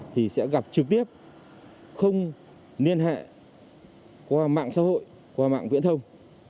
thì sẽ gặp trực tiếp không liên hệ qua mạng xã hội qua mạng viễn thông